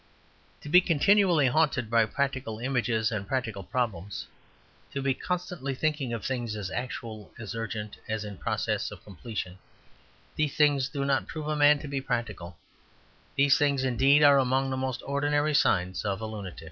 To be continually haunted by practical images and practical problems, to be constantly thinking of things as actual, as urgent, as in process of completion these things do not prove a man to be practical; these things, indeed, are among the most ordinary signs of a lunatic.